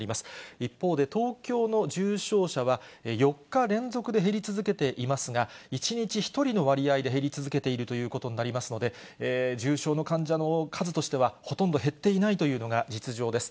一方で、東京の重症者は４日連続で減り続けていますが、１日１人の割合で減り続けているということになりますので、重症の患者の数としては、ほとんど減っていないというのが実情です。